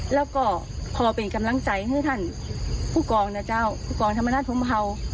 แล้วก็พอเป็นกำลังใจให้ท่านผู้กองนะเจ้าผู้กองธรรมราชพรมเผา